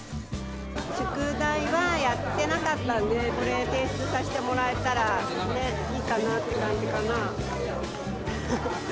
宿題はやってなかったんで、これ、提出させてもらえたらいいかなって感じかな。